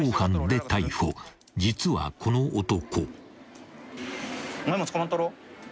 ［実はこの男］